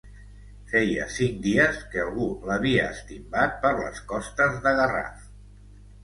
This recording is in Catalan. Feia cinc dies que algú l'havia estimbat per les costes de Garraf.